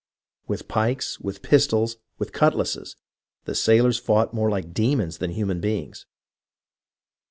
With pikes, with pistols, with cut lasses, the sailors fought more like demons than human beings.